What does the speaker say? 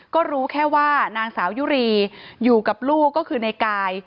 ก็รู้แค่ว่านางสาวยุรีอยู่กับลูกก็คือในกาย